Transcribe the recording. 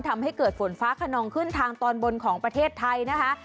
ทำให้เกิดฝนฟ้าขนองขึ้นทางตอนบนของประเทศไทยนะคะ